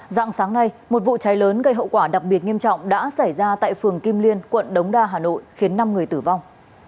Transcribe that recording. dạng sáng nay một vụ cháy lớn gây hậu quả đặc biệt nghiêm trọng đã xảy ra tại phường kim liên quận đống đa hà nội khiến năm người tử vong